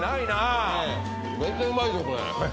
めっちゃうまいでしょこれ。